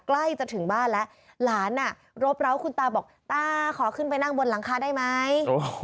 ใกล้จะถึงบ้านแล้วหลานอ่ะรบร้าวคุณตาบอกตาขอขึ้นไปนั่งบนหลังคาได้ไหม